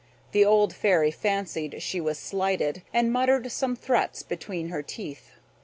The old Fairy fancied she was slighted, and muttered some threats between her teeth.